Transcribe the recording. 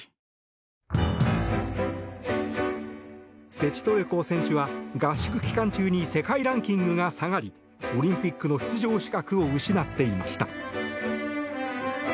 セチトレコ選手は合宿期間中に世界ランキングが下がりオリンピックの出場資格を失っていました。